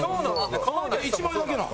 １枚だけなん？